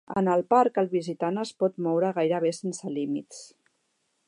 En el parc el visitant es pot moure gairebé sense límits.